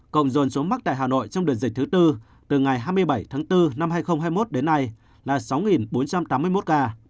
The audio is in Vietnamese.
cộng dồn số mắc tại hà nội trong đợt dịch thứ tư từ ngày hai mươi bảy tháng bốn năm hai nghìn hai mươi một đến nay là sáu bốn trăm tám mươi một ca